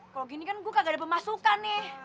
kalau gini kan gue kagak ada pemasukan nih